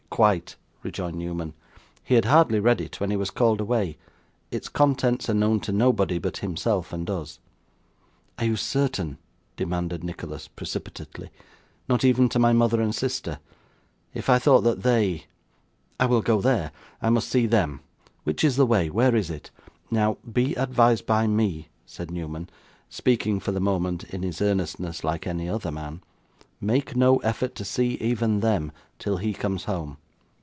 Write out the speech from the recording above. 'Quite,' rejoined Newman. 'He had hardly read it when he was called away. Its contents are known to nobody but himself and us.' 'Are you certain?' demanded Nicholas, precipitately; 'not even to my mother or sister? If I thought that they I will go there I must see them. Which is the way? Where is it?' 'Now, be advised by me,' said Newman, speaking for the moment, in his earnestness, like any other man 'make no effort to see even them, till he comes home.